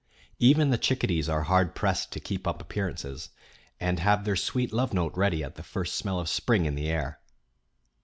Even the chickadees are hard pressed to keep up appearances and have their sweet love note ready at the first smell of spring in the air.